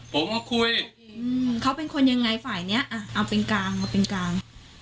ผมมาคุยเขาเป็นคนยังไงฝ่ายเนี้ยเอาเป็นกลางมาเป็นกลาง